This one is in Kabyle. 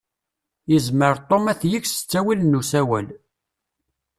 Yezmer Tom ad t-yeg s ttawil n usawal.